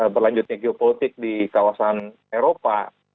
berlanjutnya geopolitik di kawasan eropa